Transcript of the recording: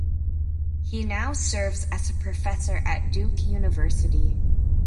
He now serves as a professor at Duke University.